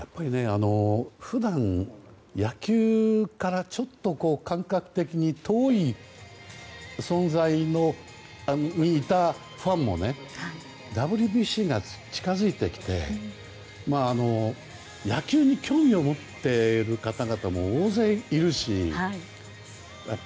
普段、野球からちょっと感覚的に遠い存在にいたファンもＷＢＣが近づいてきて野球に興味を持っている方々も大勢いるし。